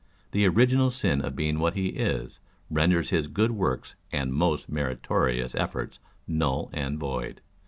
The original sin of being what he is, renders his good works and most meritorious efforts null and void.